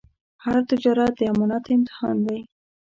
هر تجارت د امانت امتحان دی.